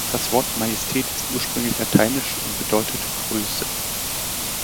Das Wort Majestät ist ursprünglich lateinisch und bedeutet „Größe“.